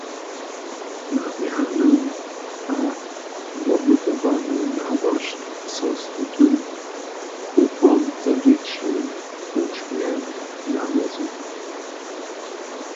Na rjany a woblubowany nałožk so z tutym kruchom za dźěći hudźbnje nawjazuje.